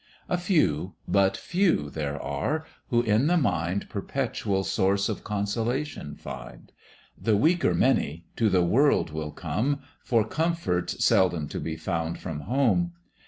A few! but few there are, who in the mind Perpetual source of consolation find: The weaker many to the world will come, For comforts seldom to be found from home.